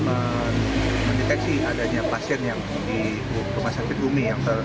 kita akan mendeteksi adanya pasien yang di rumah sakit umi